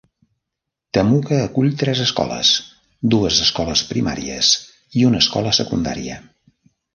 Temuka acull tres escoles, dues escoles primàries i una escola secundària.